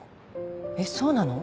えっそうなの？